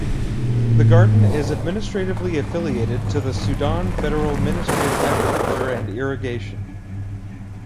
The garden is administratively affiliated to the Sudan federal Ministry of Agriculture and Irrigation.